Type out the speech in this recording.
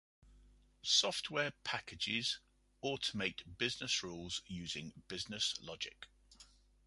Software packages automate business rules using business logic.